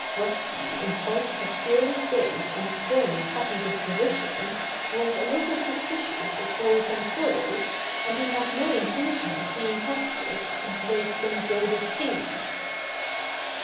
Rusty in spite of his fearless ways and jolly, happy disposition, was a little suspicious of boys and girls, and he had no intention of being captured to grace some gilded cage.